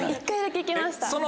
１回だけ行きました。